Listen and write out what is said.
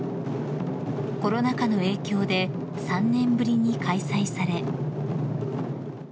［コロナ禍の影響で３年ぶりに開催され］